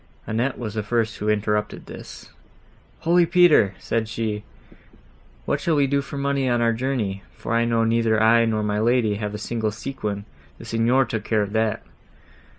Annette was the first who interrupted this. "Holy Peter!" said she, "What shall we do for money on our journey? for I know neither I, nor my lady, have a single sequin; the Signor took care of that!"